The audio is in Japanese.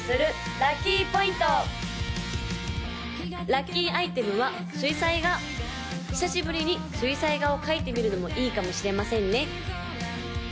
・ラッキーアイテムは水彩画久しぶりに水彩画を描いてみるのもいいかもしれませんね